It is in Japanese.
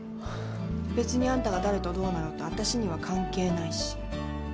別にあんたが誰とどうなろうと私には関係ないし。